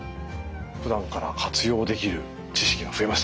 ふだんから活用できる知識が増えました。